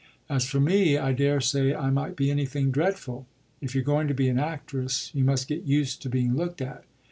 As for me I daresay I might be anything dreadful. If you're going to be an actress you must get used to being looked at.